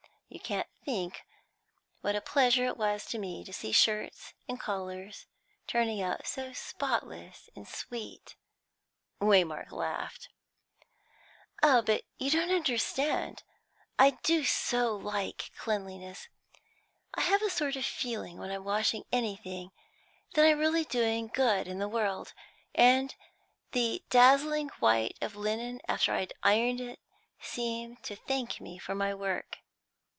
You can't think what a pleasure it was to me to see shirts and collars turning out so spotless and sweet " Waymark laughed. "Oh, but you don't understand. I do so like cleanliness! I have a sort of feeling when I'm washing anything, that I'm really doing good in the world, and the dazzling white of linen after I'd ironed it seemed to thank me for my work."